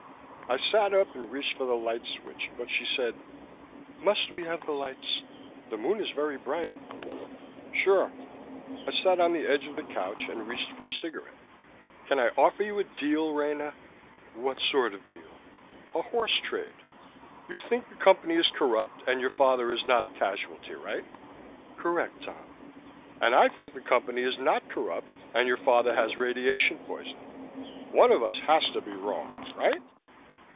I sat up and reached for the light switch, but she said, "Must we have the lights? The Moon is very bright." "Sure." I sat on the edge of the couch and reached for a cigarette. "Can I offer you a deal, Rena?" "What sort of deal?" "A horsetrade. You think the Company is corrupt and your father is not a casualty, right?" "Correct, Tom." "And I think the Company is not corrupt and your father has radiation poisoning. One of us has to be wrong, right?"